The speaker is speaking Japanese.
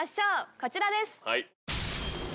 こちらです！